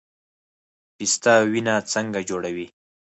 پسته وینه څنګه جوړوي؟